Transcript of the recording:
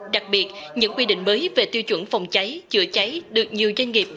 đặc biệt những quy định mới về tiêu chuẩn phòng cháy chữa cháy được nhiều doanh nghiệp